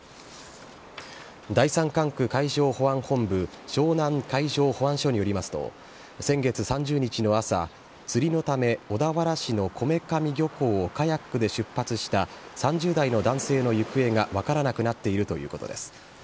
第３管区海上保安本部湘南海上保安署によりますと、先月３０日の朝、釣りのため、小田原市の米神漁港をカヤックで出発した３０代の男性の行方が分からなくなっているということです。